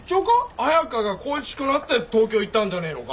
彩佳が恋しくなって東京行ったんじゃねえのか？